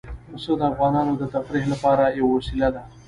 پسه د افغانانو د تفریح لپاره یوه وسیله ده.